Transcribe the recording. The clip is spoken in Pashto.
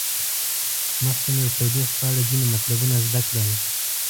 مخکې مو د تودوخې په اړه ځینې مطلبونه زده کړل.